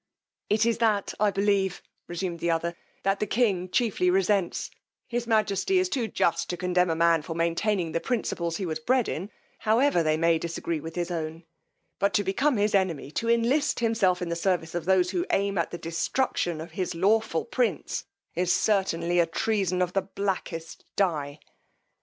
It is that, I believe, resumed the other, that the king chiefly resents: his majesty is too just to condemn a man for maintaining the principles he was bred in, however they may disagree with his own; but to become his enemy, to enlist himself in the service of those who aim at the destruction of his lawful prince, is certainly a treason of the blackest dye.